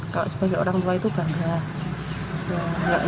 kalau sebagai orang tua itu bangga